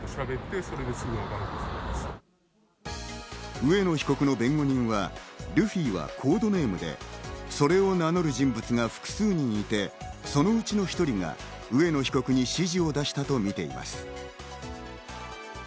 上野被告の弁護人は、ルフィはコードネームで、それを名乗る人物が複数人いて、そのうちの１人が上野被告に指示を出したとみています。